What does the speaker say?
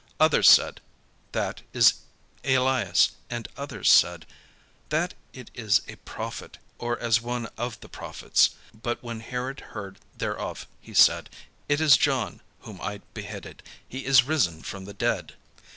Others said: "That it is Elias." And others said: "That it is a prophet, or as one of the prophets." But when Herod heard thereof, he said: "It is John, whom I beheaded: he is risen from the dead."